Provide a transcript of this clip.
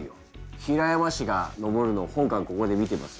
平山氏が登るのを本官ここで見てます。